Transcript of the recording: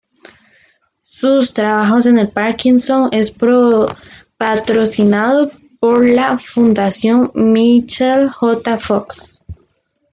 Sus trabajos en el Parkinson es patrocinado por la Fundación Michael J. Fox.